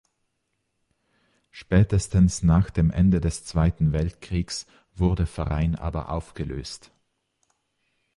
Spätestens nach dem Ende des Zweiten Weltkriegs wurde Verein aber aufgelöst.